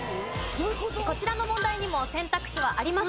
こちらの問題にも選択肢はありません。